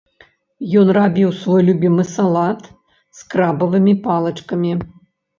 Ён рабіў свой любімы салат з крабавымі палачкамі.